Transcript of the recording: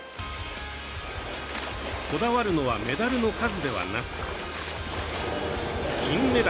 こだわるのはメダルの数ではなく金メダル。